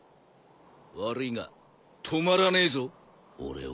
悪いが止まらねえぞ俺は。